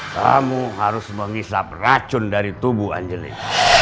kamu harus mengisap racun dari tubuh anjlik